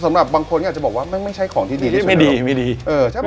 สำหรับบางคนอาจจะบอกว่ามันไม่ใช่ของที่ดีที่สุดในโลกไม่ดีไม่ดีเออใช่ป่ะ